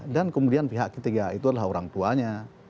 dan kemudian pihak ketiga itu adalah orang tuanya